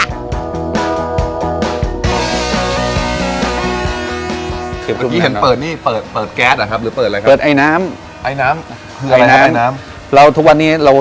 ดูความมีความร้อนแบบนี้ครบ